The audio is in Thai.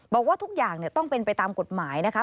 บอกว่าทุกอย่างต้องเป็นไปตามกฎหมายนะคะ